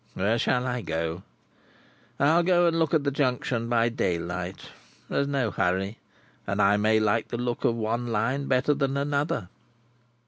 Where shall I go? I'll go and look at the Junction by daylight. There's no hurry, and I may like the look of one Line better than another."